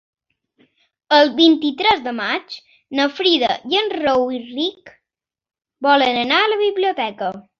El vint-i-tres de maig na Frida i en Rauric volen anar a la biblioteca.